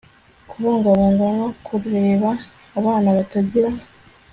kubungabunga no kurera abana batagira